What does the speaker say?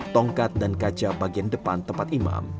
tongkat dan kaca bagian depan tempat imam